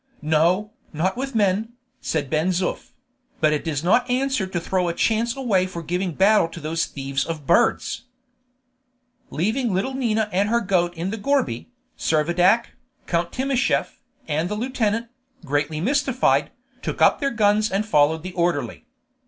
"No, not with men," said Ben Zoof; "but it does not answer to throw a chance away for giving battle to those thieves of birds." Leaving little Nina and her goat in the gourbi, Servadac, Count Timascheff, and the lieutenant, greatly mystified, took up their guns and followed the orderly.